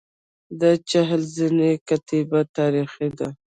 د چهل زینې کتیبه تاریخي ده